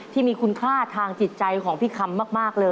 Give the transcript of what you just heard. ที่มีคุณค่าทางจิตใจของพี่คำมากเลย